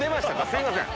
すいません。